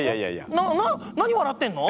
な何笑ってんの？